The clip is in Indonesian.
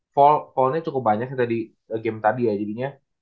fall fallnya cukup banyak ya tadi game tadi ya jadinya